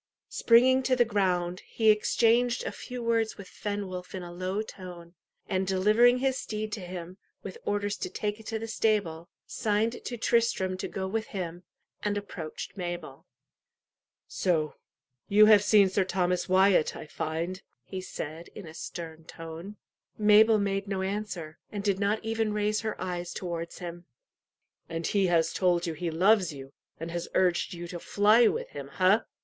Springing to the ground, he exchanged a few words with Fenwolf in a low tone, and delivering his steed to him, with orders to take it to the stable, signed to Tristram to go with him, and approached Mabel. "So you have seen Sir Thomas Wyat, I find," he said, in a stern tone. Mabel made no answer, and did not even raise her eyes towards him. "And he has told you he loves you, and has urged you to fly with him ha?"